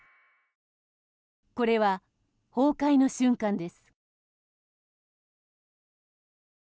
これは、崩壊の瞬間です。